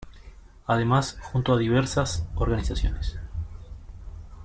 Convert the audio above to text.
Además, junto a diversas organizaciones.